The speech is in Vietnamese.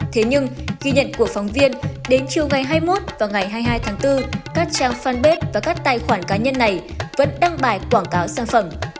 thế nhưng ghi nhận của phóng viên đến chiều ngày hai mươi một và ngày hai mươi hai tháng bốn các trang fanpage và các tài khoản cá nhân này vẫn đăng bài quảng cáo sản phẩm